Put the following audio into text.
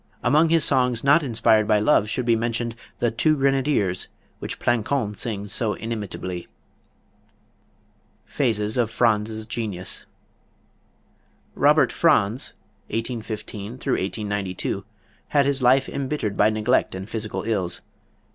Among his songs not inspired by love should be mentioned the "Two Grenadiers," which Plançon sings so inimitably. Phases of Franz's Genius. Robert Franz (1815 1892) had his life embittered by neglect and physical ills.